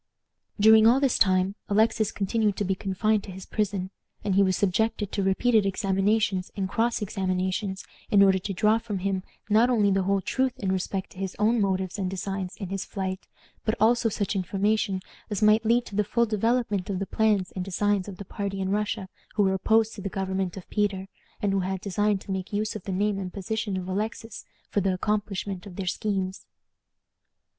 During all this time Alexis continued to be confined to his prison, and he was subjected to repeated examinations and cross examinations, in order to draw from him not only the whole truth in respect to his own motives and designs in his flight, but also such information as might lead to the full development of the plans and designs of the party in Russia who were opposed to the government of Peter, and who had designed to make use of the name and position of Alexis for the accomplishment of their schemes.